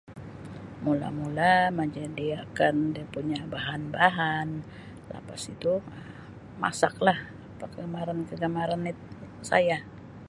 Mula-mula menyediakan dia punya bahan-bahan lepastu masak lah kegemaran kegemaranit saya.